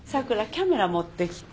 カメラ持ってきて。